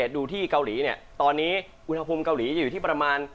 ดูที่เกาหลีตอนนี้อุณหภูมิเกาหลีจะอยู่ที่ประมาณ